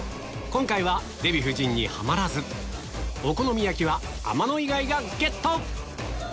今回はデヴィ夫人にハマらずお好み焼きは天野以外がゲット！